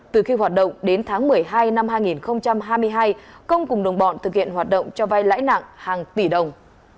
từ khi hoạt động đến tháng một mươi hai năm hai nghìn hai mươi hai công cùng đồng bọn thực hiện hoạt động cho vai lãi nặng hàng tỷ đồng